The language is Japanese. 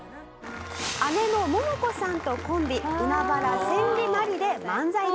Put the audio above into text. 「姉の百々子さんとコンビ海原千里・万里で漫才デビュー」